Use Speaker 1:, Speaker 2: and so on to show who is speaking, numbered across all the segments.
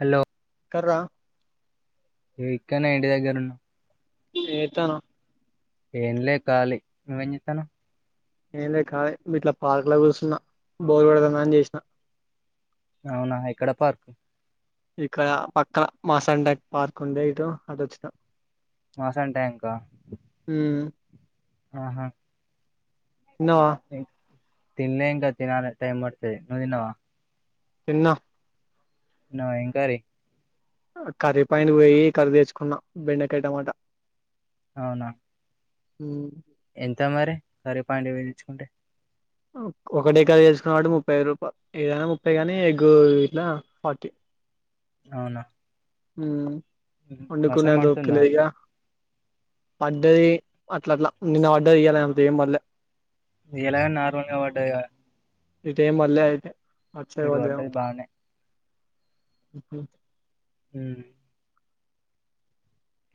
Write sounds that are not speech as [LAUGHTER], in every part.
Speaker 1: Hello
Speaker 2: కర్ర
Speaker 1: ఏ ఇక్కనే ఇంటి దగ్గరున్నా
Speaker 2: ఏంజెత్తన్నావ్
Speaker 1: ఏం లే కాలి నువ్వేం జెతన్నావ్
Speaker 2: ఎంలే కాలి ఇట్లా పార్క్లో కుసున్న బోర్ కొడుతుంది అని చేసిన
Speaker 1: అవునా ఎక్కడ పార్క్
Speaker 2: ఇక్కడ పక్కల మాసండై పార్క్ ఉండే ఇటు ఆటోచ్చిన
Speaker 1: మాసం టాంకా
Speaker 2: ఉమ్
Speaker 1: ఆహా
Speaker 2: తిన్నావా
Speaker 1: ఏ- తినలే ఇంకా తినాలి టైమ్ బడతది నువ్ తిన్నవా
Speaker 2: తిన్నా
Speaker 1: తిన్నావా ఏం కర్రి
Speaker 2: కర్రి పాయింటు కు పొయ్యి కర్రి తెచ్చుకున్న బెండకాయ టమాట
Speaker 1: అవునా
Speaker 2: ఉ
Speaker 1: ఎంత మరి కర్రి పాయింటు కు పొయ్యి తెచ్చుకుంటే
Speaker 2: ఒకటే కర్రి తెచ్చుకున్న కాబట్టి ముప్పై రూపాయలు ఏదైనా ముప్పై గాని ఎగ్ గిట్ల ఫార్టీ
Speaker 1: అవునా
Speaker 2: మ్
Speaker 1: ఉమ్.
Speaker 2: వండుకూనే
Speaker 1: వర్షం
Speaker 2: అంత ఓపిక
Speaker 1: పడుతుందా
Speaker 2: లేదు ఇగ
Speaker 1: అటు
Speaker 2: పడ్డది అట్ల అట్లా నిన్న పడ్డది ఇయ్యాల అంత ఎమ్ పల్లె
Speaker 1: ఇయ్యలనే నార్మల్ గా పడ్డది కదా
Speaker 2: ఇటెమ్ పల్లె అయితే
Speaker 1: ఇటు పడ్డది బానే
Speaker 2: ఇప్పు
Speaker 1: ఉ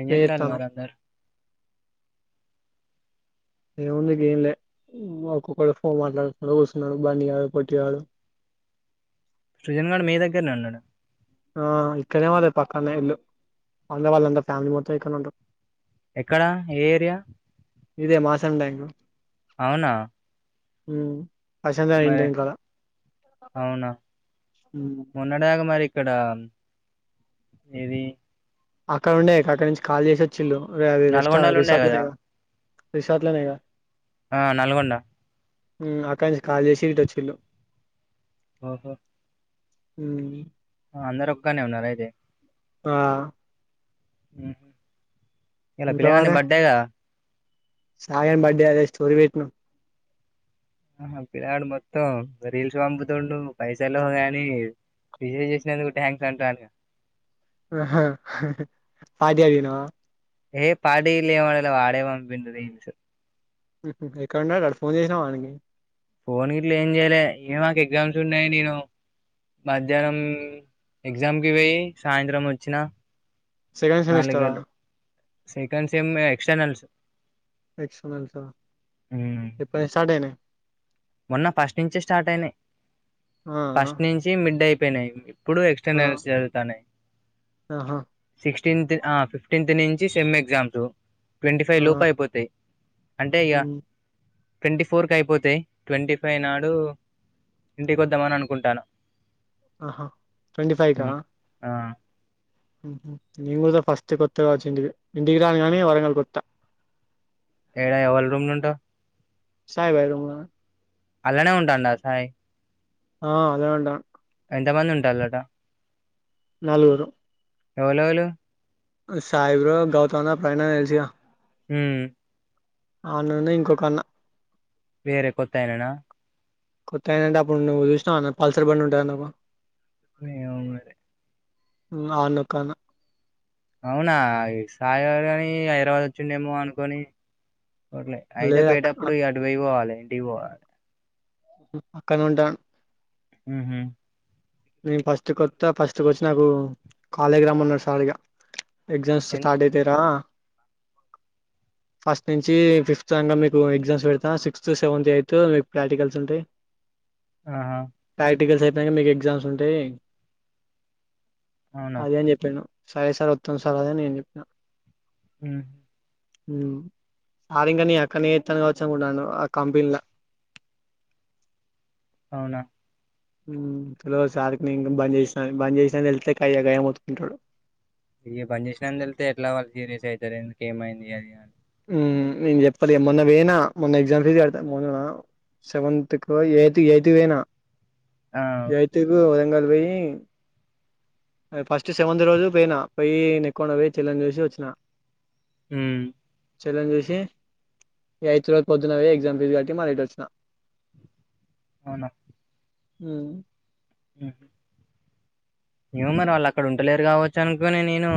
Speaker 1: ఏం చేత్తలు
Speaker 2: చేత్తన్నావ్
Speaker 1: మరి అందరు
Speaker 2: ఏం ఉంది ఎంలే ఒక్కొక్క ఫోన్ మాట్లాడుతు కూస్తున్నా బనియాడు పోట్టియాడు
Speaker 1: సృజన్ గడ్ మీ దగ్గరనే ఉన్నాడు
Speaker 2: ఆ ఇక్కడనే వాద పక్కనే ఇల్లు అ వాళ్ళ అంత ఫ్యామిలీ మొత్తం ఇక్కడ ఉండారు
Speaker 1: ఎక్కడా ఏ ఏరియా
Speaker 2: ఇదే మాసడాయింగ
Speaker 1: అవునా
Speaker 2: ఉ అశాంతని ఇంటి
Speaker 1: మరి
Speaker 2: వెనకాల
Speaker 1: అవునా
Speaker 2: ఉ
Speaker 1: మొన్నటిదాకా మరి ఇక్కడ ఏది
Speaker 2: అక్కడ ఉన్నాయి అక్కడ నుంచి కాల్ చేసొచిండు రస్ రెస్టా
Speaker 1: నల్గొండలో ఉండే
Speaker 2: రిసార్ట్
Speaker 1: కదా
Speaker 2: ఉన్నాయిగా రిసార్ట్లనెగా
Speaker 1: ఆ నల్గొండ
Speaker 2: ఉ అక్కడి నుంచి కాల్ చేసి ఇటు వచ్చిళు
Speaker 1: ఆహా
Speaker 2: హు
Speaker 1: అందరు ఒక్కనే ఉన్నారు అయితే
Speaker 2: ఆ
Speaker 1: ఇలా పిల్లగా బర్డేగా
Speaker 2: సాయిగన్ బర్డే అదే స్టోరి పెట్టిన
Speaker 1: ఆహ పిల్లాడు మొత్తం రీల్స్ పంపుతుండు పైసల్లో గాని విషెస్ చేసినందుకు థ్యాంక్స్ అంటాను
Speaker 2: ఆహా పార్టీ అడిగినవ
Speaker 1: ఎ పార్టీ ఇలా ఎం అడగలే వాడే పంపిండు రీల్స్
Speaker 2: ఎక్కడన్నా ఫోన్ చేసినా వాకి
Speaker 1: ఫోన్ గిట్ల ఏం చేయ్యలే ఇ మాకు ఎగ్జామ్స్ ఉన్నాయి నేను మధ్యాహ్నం ఎగ్జామ్కి పోయి సాయంత్రం వచ్చినా
Speaker 2: సెకండ్ సెమిస్టరా
Speaker 1: సేకండ్స్ సేమ్ ఎక్స్టర్నల్స్
Speaker 2: ఎక్స్టర్నల్స్ ఎప్పటినుండి స్టార్ట్ అయ్యాయి
Speaker 1: మొన్న ఫస్ట్ నుంచి స్టార్ట్ అయినాయి
Speaker 2: ఆ
Speaker 1: ఫస్ట్ నుంచి మిడ్డే అయిపోయినాయి ఇప్పుడు
Speaker 2: ఆ
Speaker 1: ఎక్స్టెన్న్స్ జరుగుతాన్నాయి
Speaker 2: ఆహా
Speaker 1: సిక్స్టీన్త్ ఆ ఫిఫ్టీన్త్ నుంచి సెమ్ ఎగ్జామ్స్ ట్వంటీ ఫైవ్
Speaker 2: ఆ
Speaker 1: లోపు అయిపోతాయి అంటే ఇక
Speaker 2: హ్మ్
Speaker 1: ట్వంటీ ఫోర్ క అయిపోతాయి ట్వంటీ ఫైవ్ నాడు ఇంటికి పోతమని అనుకుంటాను
Speaker 2: ఆహా ట్వంటీ ఫైవ్
Speaker 1: ఉమ్.
Speaker 2: క
Speaker 1: ఆ
Speaker 2: మీ కూడాద ఫస్ట్ కొత్తగా వచ్చిండు ఇడు ఇంటికి రాగానే వరంగల్ కొత్తా
Speaker 1: ఎడా ఎవళ రూమ్లు ఉంటావు
Speaker 2: సా బై రమ్
Speaker 1: అలానే ఉంటాండా సాయి
Speaker 2: ఆ ఆన్లనే ఉంటాండు
Speaker 1: ఎంతమంది ఉంటలట
Speaker 2: నలుగురు
Speaker 1: ఎవలవలు
Speaker 2: సాయిబ్ర గౌతమ ప్రైణ తెలిసియా
Speaker 1: హు
Speaker 2: అనన్న ఇంకొక అన్న
Speaker 1: వేరే కొత్తాయననా
Speaker 2: కొత్త ఏంటంటే అప్పుడు నువ్వు చూసావు అ పల్సర్ బండి ఉంటాయి నాకు
Speaker 1: ఏమో మరి
Speaker 2: ఆ ఒకన్న
Speaker 1: అవునా సాయిగారు కాని హైదరాబాద్ వచ్చిండేమో అనుకోని ట్లే అయితే
Speaker 2: లేదు అక్
Speaker 1: పోయేటప్పుడు అడవై పోవాలి ఇంటికి పోవాలి
Speaker 2: అక్కనుంతండు
Speaker 1: ఉహు
Speaker 2: నేను ఫస్ట్ కొత్తా ఫస్ట్ క వచ్చి నాకు కాలేజీ రమ్ ఉన్నాడు సారిగా ఎగ్జామ్స్
Speaker 1: ఎన్-
Speaker 2: స్టార్ట్ అయితా రా ఫస్ట్ నుంచి ఫిఫ్త్ంగా మీకు ఎగ్జామ్స్ పెడతాను సిక్స్త్ సెవెంతత్ ఎయిత్ మీకు ప్రాక్టికల్స్ ఉంటాయి
Speaker 1: ఆహా
Speaker 2: ప్రర్టికల్స్ అయిపోనాక మీకు ఎగ్జామ్స్ ఉంటాయి
Speaker 1: అవునా
Speaker 2: అదని చెప్పిండు సరే సార్ వత్తాం సార్ అదేని నేను చెప్పినాను
Speaker 1: ఉ
Speaker 2: సార్ ఇంకా నే అక్కడనే చెస్తాను కావచ్చు అనుకుంటన్నాను ఆ కంపెనీలా
Speaker 1: అవునా
Speaker 2: లో సార్కి న ఇం బంద్ చేసినా బంద్ చేసినా వెళ్తే కాయ గాయంమతుకుంటాడు
Speaker 1: ఇది పని చేసినాందు వెళ్తే ఎట్లా వాళ్ళు సీరియస్ అవుతారు ఇంక ఏమైంది అది
Speaker 2: నేను చెప్పాలి మొన్న వేనా మొన్న ఎగ్జామ్స్ తీసి పెడతా మొన్న సెవెంత్కో ఎయిత్ ఎయిత్ వేనా
Speaker 1: ఆ
Speaker 2: ఎయిట్ కి వరంగలు పోయి ఫస్ట్ సెవంత్ రోజు పోయినా పోయి నేను ఎక్కువడా పోయి చెల్లెని చూసి వచ్చిన
Speaker 1: హు
Speaker 2: చెల్లని చూసి ఎయిట్ రోజు పొద్దునవే ఎగ్జామ్ ఫస్ కట్టి మనట్ వచ్చిన
Speaker 1: అవునా
Speaker 2: ఉ
Speaker 1: ఆ ఏమో మరి వాళ్ళు అక్కడ ఉండలేరు కావచ్చు అనుకోని నేను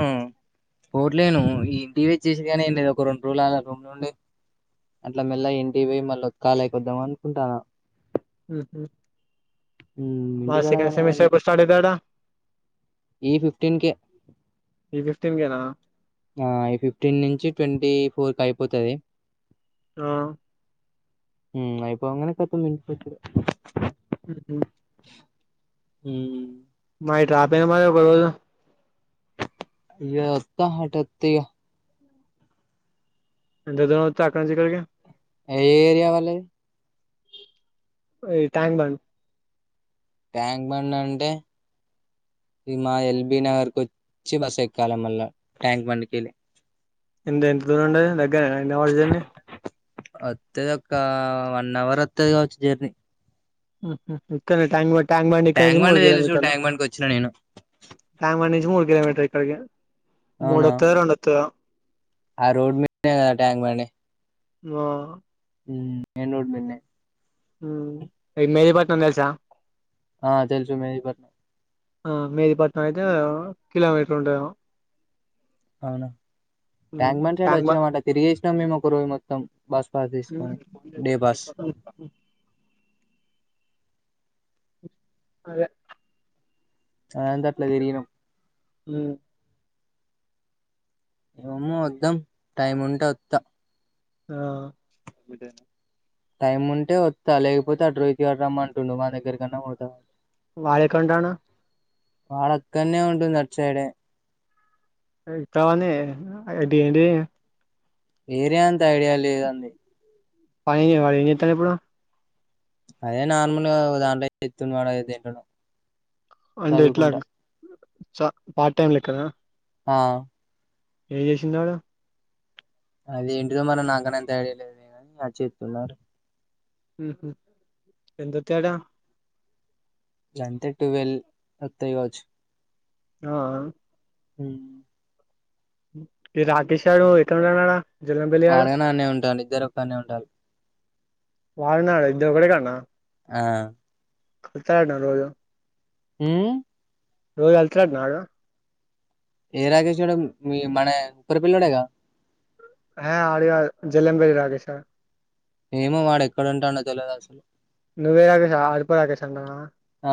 Speaker 1: పోట్లేను ఈ ఇంటి వచ్చసి కానీ ఏం లేదు ఒక రెండు రోజులు రెండు నుండి అట్ల మెల్ల ఇంటి పోయి మళ్ళీ ఉత్కాలైక వద్దాం అనుకుంటాను
Speaker 2: ఉహ్ మా సెకండ్
Speaker 1: ఇంటికాడగానే
Speaker 2: సెమమిస్టర్ ఎప్పుడ్ స్టార్ట్ ఇతాది అంటా
Speaker 1: ఈ ఫిఫ్టీన్ కే
Speaker 2: ఈ ఫిఫ్టీన్ కేనా
Speaker 1: ఆ ఈ ఫిఫ్టీన్ నుంచి ట్వంటీ ఫోర్కికి అయిపోతది
Speaker 2: హా
Speaker 1: ఉ అయిపోగానే కొత్తది తీసిపెట్టుడు
Speaker 2: ఉ ఉ
Speaker 1: ఉ
Speaker 2: మాయి ట్రాపే మరి
Speaker 1: ఇగ వస్త అటు ఒద్దిగా
Speaker 2: ఎంత ద చక చక్కడక
Speaker 1: ఏ ఏరియా వాళది
Speaker 2: ఏ ట్యాంక్ బండ్
Speaker 1: ట్యాంక్ బండ్ అంటే ఇ మా ఎల్బి నగర్ కు వచ్చి బస్ ఎక్కాల మళ్ళా ట్యాంక్ బండ్ కి వెళ్ళి
Speaker 2: ఎంత ఎంత దూరం ఉండది దగ్గ రేనా జర్నీ
Speaker 1: అత్తది ఒక వన్ అవర్ వత్తది కావచ్చు జర్నీ
Speaker 2: ఇక్కనే టంగ్ బండ్ ట్యాంక్ బాండ్ ఇక్కడి నుంచి మూడ్
Speaker 1: బండి
Speaker 2: కిలో
Speaker 1: తెలుసు
Speaker 2: మీటర్లు
Speaker 1: ట్యాంక్ బండికి వచ్చిన నేను
Speaker 2: ట్యాంక్ బండ్ మూడు కిలోమీటర్ ఇక్కడికేళి
Speaker 1: అవునా
Speaker 2: మూడత్తద రెండత్తద
Speaker 1: ఆ రోడ్ మ ట్యాంక్ బాండ్
Speaker 2: ఆ
Speaker 1: హ మెయిన్ రోడ్ మీదనే
Speaker 2: హు మేది పట్నం తెలుసా
Speaker 1: ఆ తెలుసు మేది ప
Speaker 2: ఆ మేదిపట్నం అయితే కిలోమీటర్ ఉంటది ఏమో
Speaker 1: అవునా ట్యాంక్మన్ సైడ్
Speaker 2: ట్యాంక్ బండ్
Speaker 1: వచ్చినామాట తిరిగెసినాం మేము ఒక రోజు మొత్తం బస్ పాస్
Speaker 2: ఉమ్
Speaker 1: తీసుకొని డే పాస్
Speaker 2: అదే
Speaker 1: అనందాట్లా తెరిగినం
Speaker 2: ఉ
Speaker 1: అమ్మో వద్దాం టైం ఉంటే వత్త
Speaker 2: ఆ
Speaker 1: టైమ్ ఉంటే వస్తా లేకపోతే అడ్ రోహిత్ గాడు రమంటుండు వాణి దగ్గరకన్నా పోతా
Speaker 2: వాడ్ ఎక్కడుంటాడు
Speaker 1: వాడక్కన్నే ఉంటుండు అటు సైడ్ ఎ
Speaker 2: కావనే అ ఏంటి
Speaker 1: ఏరియా అంత ఐడియా లేదండి
Speaker 2: పాయె ఆడు ఎంచతడిప్పుడు
Speaker 1: అదే నార్మల్ దాంట్లో ఎతు వాడం తింటన్నా
Speaker 2: అంటే ఎట్లా చ పార్ట్ టైమ్ లెక్కన
Speaker 1: ఆ
Speaker 2: ఏం చేసిండ్ ఆడు
Speaker 1: అది ఏంటిడో మనం నాకని అంత అడియలేదు సర్చ్ చెస్తున్న
Speaker 2: ఉహ్ ఎంతకడా
Speaker 1: ఎంతే టువెల్ వత్తాయి కావచ్చు
Speaker 2: ఆ
Speaker 1: ఉ
Speaker 2: రాకేష్ ఆడు ఎతే ఉన్నాడా జల్లంపల్లి గాడు
Speaker 1: వాడైనా అనే ఉంటాడు ఇద్దరు ఒక్కనే ఉంటలు
Speaker 2: వాళనాడు ఇద్దరూ ఒకడ కాన్నా
Speaker 1: ఆ
Speaker 2: కతారుడా రోజ
Speaker 1: ఉ
Speaker 2: రోజ వెల్త నాడు
Speaker 1: ఏ రాకష్డ మన ఉరి పిల్లడేగా
Speaker 2: హే అడు కాదు జలం గిరి రాకేష్ గాడు
Speaker 1: ఏమో వాడు ఎక్కడ ఉంటాడో తెలియదు అసలు
Speaker 2: నువ్వే రాకేశ ఎళ్ళిపో రాకేష్ అన్న
Speaker 1: ఆ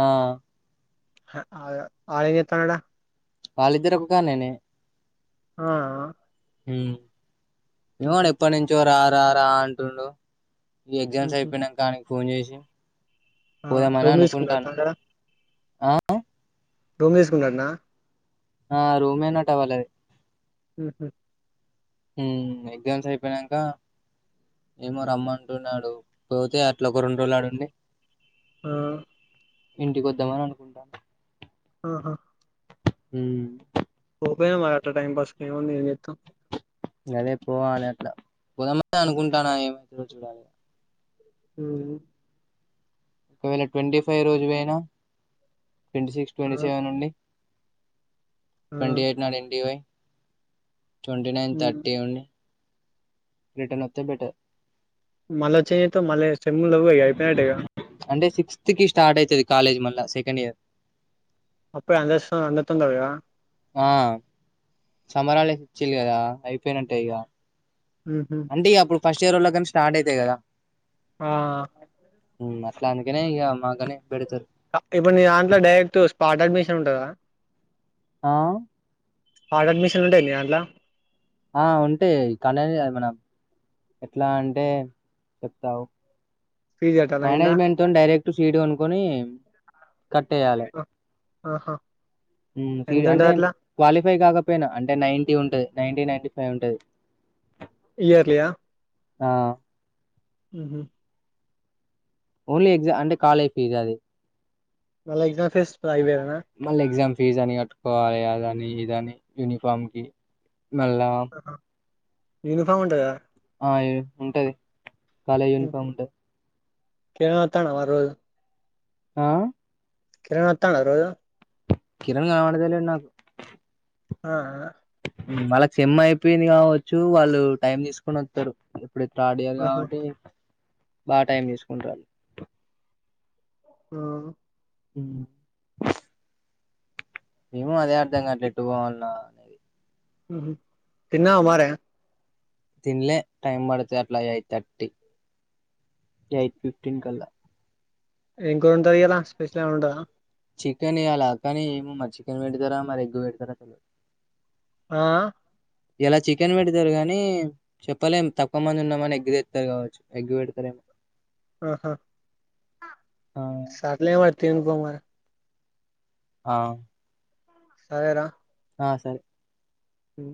Speaker 2: ఆ ఆయ ఏం జేత్తాండట.
Speaker 1: వాళ్ళిద్దర్ ఒక కాన్నెనే
Speaker 2: ఆ
Speaker 1: మ్ మీ వోడ్ ఎప్పట్ నుంచో రా రా రా అంటుండు. ఈ ఎగ్జామ్స్ అయిపోయినంక ఆనికి ఫోన్ చేసి పోదామని
Speaker 2: రూమ్
Speaker 1: అనుకుంటాన
Speaker 2: తీసుకున్నట్నా అక్కడ
Speaker 1: ఆ
Speaker 2: రూమ్ తీస్కున్ అట్నా
Speaker 1: ఆ రూమేనట వాళ్ళది.
Speaker 2: హ్ హ్
Speaker 1: మ్ ఎగ్జామ్స్ అయిపోయినంకా ఏమో రమ్మంటున్నడు పోతే అట్లా ఒక రెండు రోజుల్ ఆడుండి
Speaker 2: ఆ
Speaker 1: ఇంటికొద్దామన్ అనుకుంటాన్న.
Speaker 2: ఆహా
Speaker 1: మ్
Speaker 2: పోయిరా మరి అట్ల టైమ్ పాస్కి ఈడుండి ఏం జేత్తవ్
Speaker 1: గదే పోవాలి అట్ల పోదామనే అనుకుంటాన్న ఏమైతదో చూడాలె
Speaker 2: మ్
Speaker 1: ఒకవేళ ట్వంటీ ఫైవ్ రోజు పోయినా ట్వంటీ సిక్స్, ట్వంటీ
Speaker 2: ఆ
Speaker 1: సెవెన్ ఉండి,
Speaker 2: ఆ
Speaker 1: ట్వంటీ ఎయిట్ నాడు ఇంటికి పోయి ట్వంటీ నైన్,
Speaker 2: ఉమ్
Speaker 1: థర్టీ ఉండి, రిటర్న్ వొత్తె బెటర్
Speaker 2: మళ్ళ చెయ్యి ఎత్తవ్ మళ్ళ సెమ్లు లెవ్వుగ ఇగ అయిపోయినట్టేగా
Speaker 1: అంటే సిక్స్త్ కి స్టార్ట్ అయితది కాలేజ్ మళ్ళ సెకండ్ ఇయర్
Speaker 2: అప్పుడే అందరితో అందరితోని కదా
Speaker 1: ఆ సమ్మర్ హాల్డే ఇచ్చిన్లు గదా అయిపోయినట్టే ఇగ
Speaker 2: మ్ హ్
Speaker 1: అంటే ఇగ అప్పుడు ఫస్ట్ ఇయర్ వోళ్లకన్ స్టార్ట్ అయితయి కదా
Speaker 2: ఆ
Speaker 1: అట్లా అందుకనే ఇగ మాకనే పెడ్తరు.
Speaker 2: ఇప్పుడు నీ దాంట్ల డైరెక్ట్ స్పాట్ అడ్మిషన్ ఉంటదా?
Speaker 1: ఆ
Speaker 2: స్పాట్ అడ్మిషన్ ఉండే మీ దాంట్ల
Speaker 1: ఆ ఉంటైయి అయి [UNINTELLIGIBLE] మనం ఎట్లా అంటే చెప్తాగు
Speaker 2: ఫీజు కట్టాలా కింద
Speaker 1: మేనేజ్మెంట్తోనీ డైరెక్ట్ సీటు కొనుక్కొని కట్టేయాలే.
Speaker 2: ఆహా
Speaker 1: మ్ ఫీ
Speaker 2: ఎంత ఉంటది
Speaker 1: అంటే
Speaker 2: అట్లా
Speaker 1: క్వాలిఫై కాకపోయినా అంటే నైటీ ఉంటది నైటి నైటి ఫైవ్ ఉంటది.
Speaker 2: ఇయర్లియా?
Speaker 1: ఆ
Speaker 2: మ్ హ్
Speaker 1: ఓన్లీ ఎక్జా అంటే కాలేజ్ ఫీజ్ అది.
Speaker 2: మళ్ళ ఎగ్జామ్ ఫీజ్ మళ్ళ అయి వేరేనా
Speaker 1: ఫీజు అని కట్టుకోవాలి అదని ఇదని యూనిఫామ్కి మళ్ళా
Speaker 2: యూనిఫామ్ ఉంటదా
Speaker 1: ఆ ఉంటది కాలేజ్ యూనిఫామ్ ఉంటది
Speaker 2: కిరణ్ అతండ మరి రోజు
Speaker 1: ఆ
Speaker 2: కిరణ వతండ రోజు
Speaker 1: కిరణ కానవదలే న్నాకు
Speaker 2: ఆ
Speaker 1: వాళ్ళకి సేమ్ అయిపోయింది కావచ్చు వాళ్ళు టైమ్ తీసుకొని వస్తారు ఇప్పుడు థర్డ్ ఇయర్
Speaker 2: ఆహా
Speaker 1: కాబట్టి బాగా టైం తీసుకుంటారు
Speaker 2: ఆ
Speaker 1: హ మేము అదే అర్ధంగాట్లే ఎట్టుపోవాలన్నా
Speaker 2: తిన్నవ మారే
Speaker 1: తిన్లే టైమ్ పడతది అట్లా ఎయిట్ తర్టీటీ ఎయిట్ ఫిఫ్టీన్ కల్లా
Speaker 2: ఇం కూడా ఉంటారు ఇలా స్పెషల్ ఏమ ఉంటందా
Speaker 1: చికెన్ ఈయల కానీ ఏమో మరి చికెన్ పెడతారా మరి ఎగ్ పెడతారా చ
Speaker 2: ఆ
Speaker 1: ఇయలా చికెన్ పెడతారు గానీ చెప్పలేం తక్కువ మంది ఉన్నామని ఎగ్గి తెతారు కావచ్చు ఎగ్గి పెడతారెమో
Speaker 2: ఆహా
Speaker 1: ఆ
Speaker 2: సాట్లే మరి తనుపో మ
Speaker 1: ఆ
Speaker 2: సరేరా
Speaker 1: ఆ సరే
Speaker 2: హ